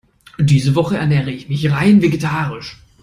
Diese Woche ernähre ich mich rein vegetarisch.